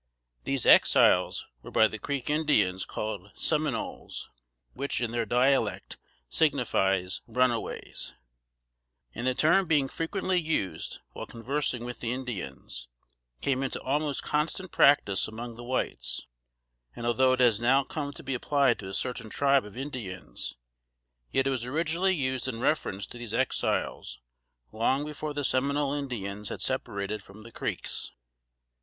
These Exiles were by the Creek Indians called "Seminoles," which in their dialect signifies "runaways," and the term being frequently used while conversing with the Indians, came into almost constant practice among the whites; and although it has now come to be applied to a certain tribe of Indians, yet it was originally used in reference to these Exiles long before the Seminole Indians had separated from the Creeks.